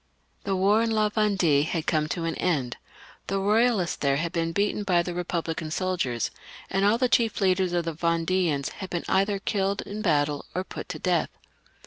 The war in La Vendue had come to an end, the Eoyal ists there had been beaten by the Eepublican soldiers, and all the chief leaders of the Vend^ans had been either killed in battle or put to death.